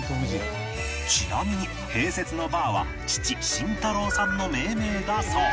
ちなみに併設のバーは父慎太郎さんの命名だそう